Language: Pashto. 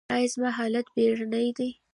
ایا زما حالت بیړنی دی؟